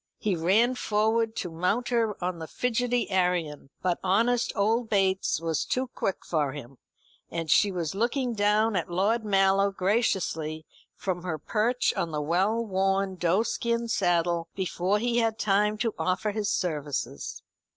He ran forward to mount her on the fidgety Arion; but honest old Bates was too quick for him; and she was looking down at Lord Mallow graciously from her perch on the well worn doeskin saddle before he had time to offer his services.